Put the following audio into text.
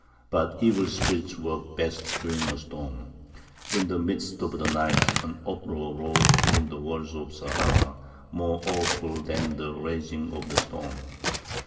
But evil spirits work best during a storm. In the midst of the night an uproar rose within the walls of Zahara, more awful than the raging of the storm.